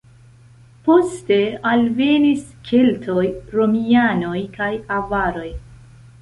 Poste alvenis keltoj, romianoj kaj avaroj.